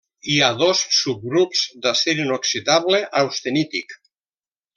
Hi ha dos subgrups d'acer inoxidable austenític.